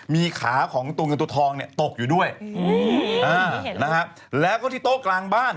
มีขาของตัวเงินตัวทองเนี่ยตกอยู่ด้วยนะฮะแล้วก็ที่โต๊ะกลางบ้าน